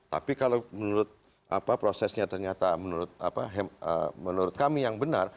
tapi kalau menurut prosesnya ternyata menurut kami yang benar